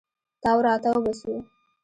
تاو راتاو به سو.